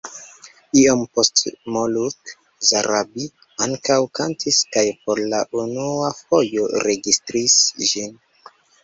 Iom poste Moluk Zarabi ankaŭ kantis kaj por la unua fojo registris ĝin.